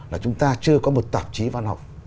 là chúng ta chưa có một tạp chí văn học